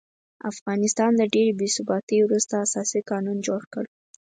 افغانستان د ډېرې بې ثباتۍ وروسته اساسي قانون جوړ کړ.